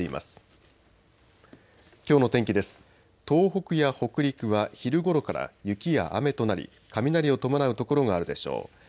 東北や北陸は昼ごろから雪や雨となり、雷を伴う所もあるでしょう。